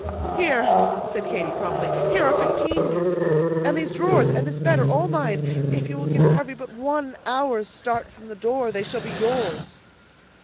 "Here," said Katy, promptly, "here are fifteen guineas, and these drawers and this bed are all mine; if you will give Harvey but one hour's start from the door, they shall be yours."